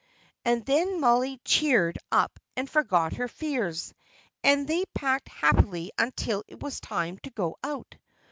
And then Mollie cheered up and forgot her fears, and they packed happily until it was time to go out.